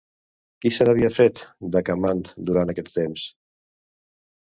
Què se n'havia fet, d'Acamant, durant aquest temps?